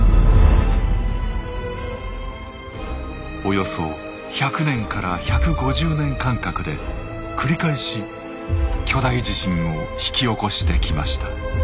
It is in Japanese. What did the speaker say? およそ１００年から１５０年間隔で繰り返し巨大地震を引き起こしてきました。